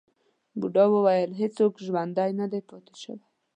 بوډا وویل هیڅوک ژوندی نه دی پاتې شوی.